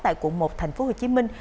tại quận một thành phố hồ chí minh